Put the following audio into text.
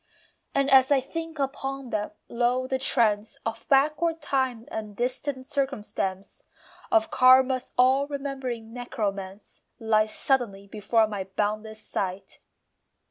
And as I think upon them, lo, the trance Of backward time and distant circumstance, Of Karma's all remembering necromance, Lies suddenly before my boundless sight.